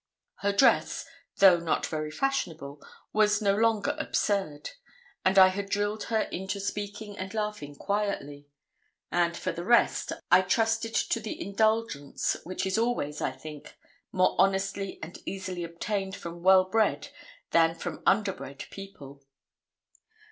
Her dress, though not very fashionable, was no longer absurd. And I had drilled her into speaking and laughing quietly; and for the rest I trusted to the indulgence which is always, I think, more honestly and easily obtained from well bred than from under bred people.